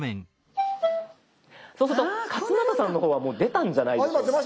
そうすると勝俣さんの方はもう出たんじゃないでしょうか。